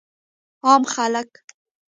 عام خلک